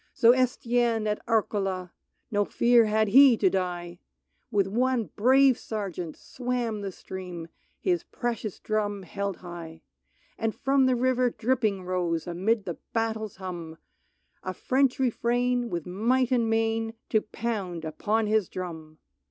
So Estienne at Areola — No fear had he to die !— With one brave Sergeant, swam the stream, His precious drum held high. And from the river dripping rose Amid the battle's hum, A French refrain, with might and main, To pound upon his drum.